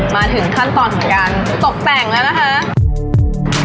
มาถึงขั้นตอนของการตกแต่งแล้วนะคะ